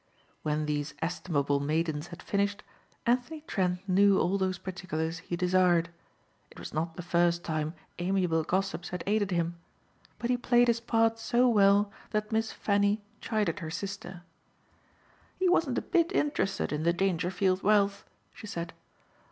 When these estimable maidens had finished, Anthony Trent knew all those particulars he desired. It was not the first time amiable gossips had aided him. But he played his part so well that Miss Fannie chided her sister. "He wasn't a bit interested in the Dangerfield wealth," she said.